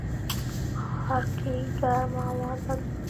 ښار کي ګرمه اوازه ده